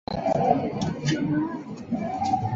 贝斯科是德国勃兰登堡州的一个市镇。